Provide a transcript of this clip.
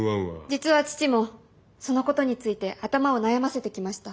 実は父もそのことについて頭を悩ませてきました。